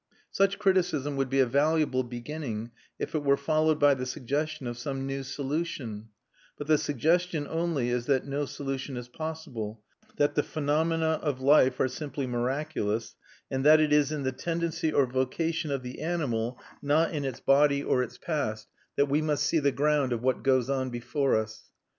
Such criticism would be a valuable beginning if it were followed by the suggestion of some new solution; but the suggestion only is that no solution is possible, that the phenomena of life are simply miraculous, and that it is in the tendency or vocation of the animal, not in its body or its past, that we must see the ground of what goes on before us.